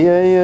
dạ đúng rồi ạ